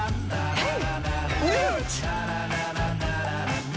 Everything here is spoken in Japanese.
はい。